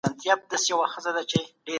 د ګاز لرونکو څښاکو اړتیا نسته.